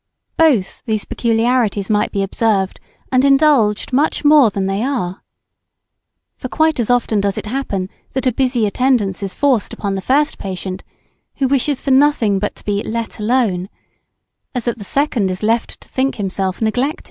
Both these peculiarities might be observed and indulged much more than they are. For quite as often does it happen that a busy attendance is forced upon the first patient, who wishes for nothing but to be "let alone," as that the second is left to think himself neglected.